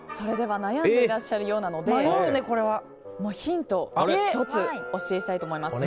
悩んでいらっしゃるようなのでヒントを１つお教えします。